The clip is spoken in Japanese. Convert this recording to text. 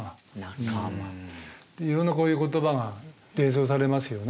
いろんなこういう言葉が連想されますよね。